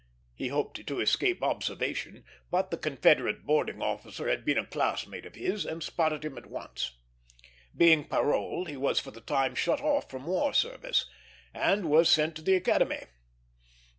He hoped to escape observation, but the Confederate boarding officer had been a classmate of his, and spotted him at once. Being paroled, he was for the time shut off from war service, and was sent to the Academy.